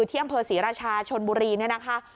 ที่อำเภอศรีราชาชนบุรีเนี่ยนะคะ